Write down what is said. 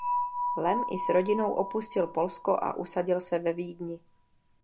Lem i s rodinou opustil Polsko a usadil se ve Vídni.